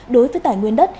đối với tài nguyên đất